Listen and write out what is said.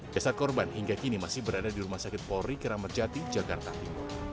jasad korban hingga kini masih berada di rumah sakit polri keramat jati jakarta timur